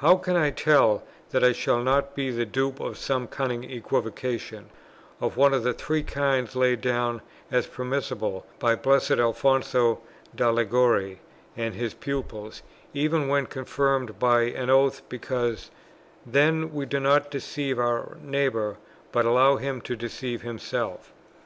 How can I tell that I shall not be the dupe of some cunning equivocation, of one of the three kinds laid down as permissible by the blessed Alfonso da Liguori and his pupils, even when confirmed by an oath, because 'then we do not deceive our neighbour, but allow him to deceive himself?'